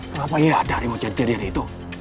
kenapa ya ada harimau jadi jadian itu